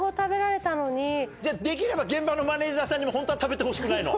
できれば現場のマネジャーさんにもホントは食べてほしくないの？